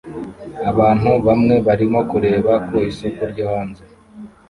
abantu bamwe barimo kureba ku isoko ryo hanze